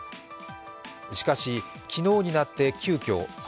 しかし、昨日になって急きょ